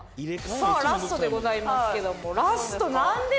さあラストでございますけども。